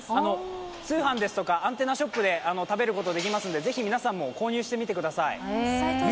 通販ですとかアンテナショップで食べることができますので、ぜひ皆さんも購入してみてください。